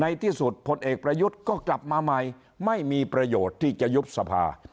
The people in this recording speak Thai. ในที่สุดผลเอกประยุทธ์ก็กลับมาใหม่ไม่มีประโยชน์ที่จะยุบสภา